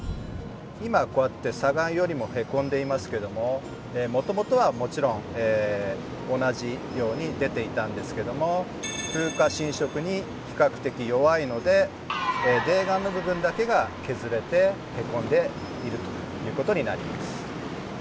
今こうやって砂岩よりも凹んでいますけどももともとはもちろん同じように出ていたんですけども風化侵食に比較的弱いので泥岩の部分だけが削れて凹んでいるということになります。